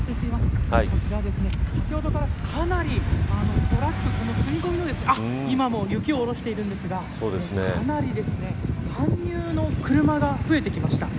先ほどからかなりトラックに積み込まれた今も雪を下ろしているんですがかなり搬入の車が増えてきました。